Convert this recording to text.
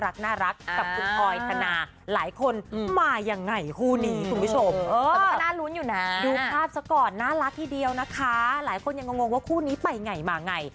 รักน่ะรักภูกะลายคนมายังไงคู่นี้จะพิมพี่โภคอร์ดรุ้นอยู่น่ะข้ามสะก่อนน่ารักที่เดียวนะคะหลายคนยังวงว่าคู่นี้ไปไหนมาไง